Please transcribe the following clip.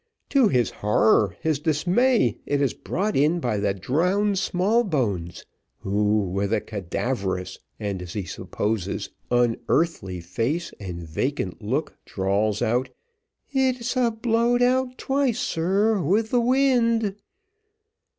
To his horror, his dismay, it is brought in by the drowned Smallbones, who, with a cadaverous, and as he supposes, unearthly face and vacant look, drawls out, "It's a blowed out twice, sir, with the wind."